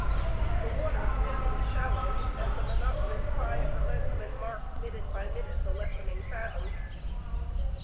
The water steadily shal lowed, as the monotonous cry of the leadsman marked minute by minute the lessening fathoms.